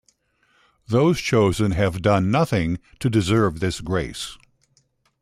Those chosen have done nothing to deserve this grace.